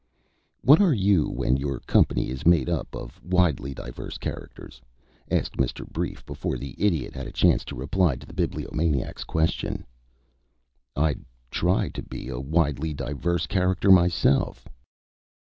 "What are you when your company is made up of widely diverse characters?" asked Mr. Brief before the Idiot had a chance to reply to the Bibliomaniac's question. "I try to be a widely diverse character myself."